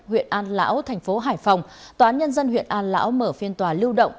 huyện an lão thành phố hải phòng tòa án nhân dân huyện an lão mở phiên tòa lưu động